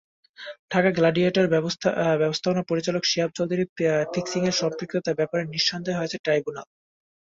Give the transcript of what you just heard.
ঢাকা গ্ল্যাডিয়েটরসের ব্যবস্থাপনা পরিচালক শিহাব চৌধুরীর ফিক্সিংয়ে সম্পৃক্ততার ব্যাপারেও নিঃসন্দেহ হয়েছেন ট্রাইব্যুনাল।